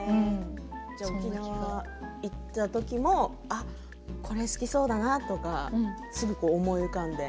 沖縄に行ったときもこれが好きそうだなとかすぐ思い浮かんで。